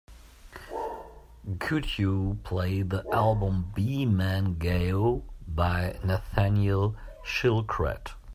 Could you play the album B Men Gahō by Nathaniel Shilkret